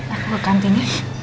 aku ke kantin ya